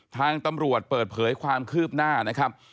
ทางตำรวจเปิดเผยความคืบหน้านะครับ